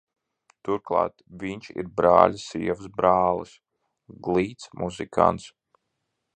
Turklāt viņš ir brāļa sievas brālis - glīts, muzikants!